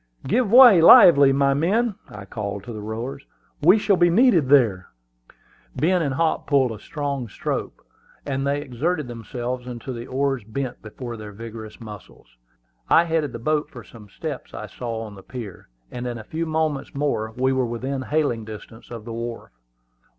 "Give way, lively, my men!" I called to the rowers. "We shall be needed there." Ben and Hop pulled a strong stroke, and they exerted themselves until the oars bent before their vigorous muscles. I headed the boat for some steps I saw on the pier, and in a few moments more we were within hailing distance of the wharf.